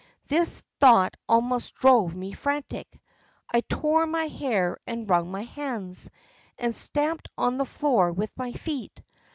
This thought almost drove me frantic. I tore my hair and wrung my hands, and stamped on the floor with my feet.